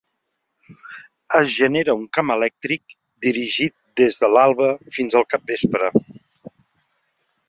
Es genera un camp elèctric, dirigit des de l'alba fins al capvespre.